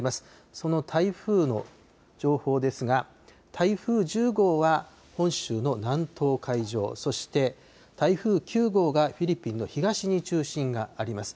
その台風の情報ですが、台風１０号は本州の南東海上、そして台風９号がフィリピンの東に中心があります。